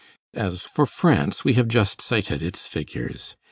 As for France, we have just cited its figures.